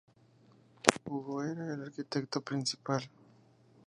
Hugo era el arquitecto principal.